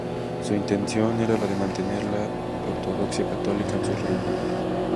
Su intención era la de mantener la ortodoxia católica en sus reinos.